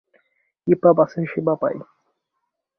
ইপা বাসে সেবা পাই।